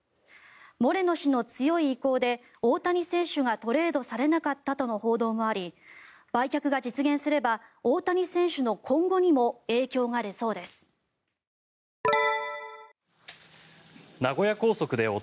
モレノ氏の強い意向で大谷選手がトレードされなかったとの報道もあり売却が実現すれば大谷選手の今後にも影響が出そうです。